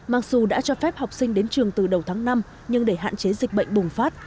mặc dù đã cho phép học sinh đến trường từ đầu tháng năm nhưng để hạn chế dịch bệnh bùng phát